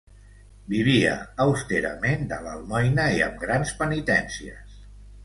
Vivia austerament, de l'almoina i amb grans penitències.